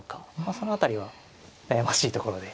その辺りは悩ましいところで。